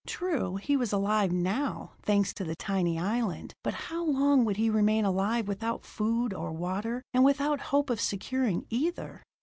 True, he was alive now, thanks to the tiny island, but how long would he remain alive without food or water, and without hope of securing either?